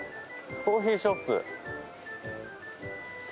コーヒーショップ。